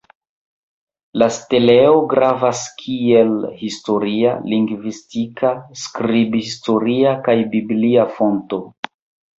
La steleo gravas kiel historia, lingvistika, skrib-historia kaj biblia fonto.